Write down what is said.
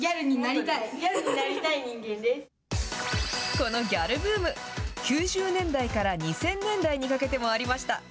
このギャルブーム、９０年代から２０００年代にかけてもありました。